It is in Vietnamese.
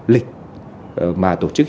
lịch mà tổ chức